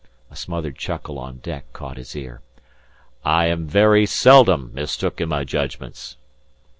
A smothered chuckle on deck caught his ear. "I am very seldom mistook in my jedgments."